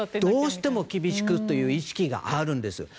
どうしても厳しくという意識があるんです。